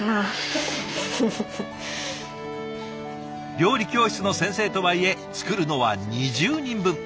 料理教室の先生とはいえ作るのは２０人分。